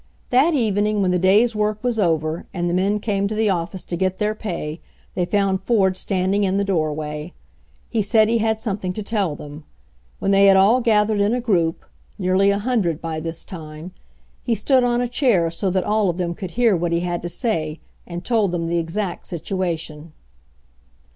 That evening when the day's work was over and the men came to the office to get their pay they found Ford standing in the doorway. He said he had something to tell them. When they had all gathered in a group — nearly a hundred by this time — he stood on a chair so that all of them could hear what he had to say, and told them the exact situation.